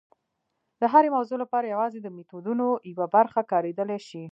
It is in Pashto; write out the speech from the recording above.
د هرې موضوع لپاره یوازې د میتودونو یوه برخه کارېدلی شي.